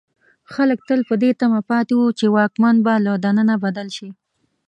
خلک تل په دې تمه پاتې وو چې واکمن به له دننه بدل شي.